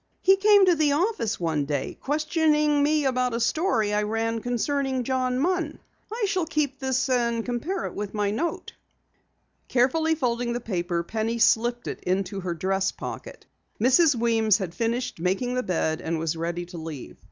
"He came to the office one day, questioning me about a story I ran concerning John Munn. I shall keep this and compare it with the note." Carefully folding the paper, Penny slipped it into her dress pocket. Mrs. Weems had finished making the bed and was ready to leave.